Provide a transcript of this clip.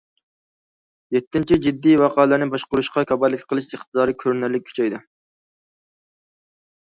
يەتتىنچى، جىددىي ۋەقەلەرنى باشقۇرۇشقا كاپالەتلىك قىلىش ئىقتىدارى كۆرۈنەرلىك كۈچەيدى.